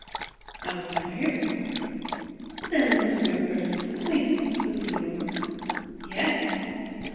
"I was never here before." "Then this is your first acquain'tance with New York?" "Yes."